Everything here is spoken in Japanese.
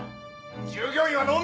従業員は農民だ！